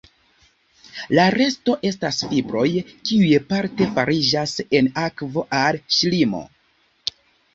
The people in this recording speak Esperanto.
La resto estas fibroj, kiuj parte fariĝas en akvo al ŝlimo.